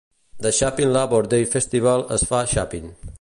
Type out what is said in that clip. El Chapin Labor Day Festival es fa a Chapin.